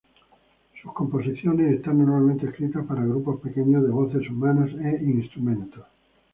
Sus composiciones están normalmente escritas para grupos pequeños de voces humanas e instrumentos.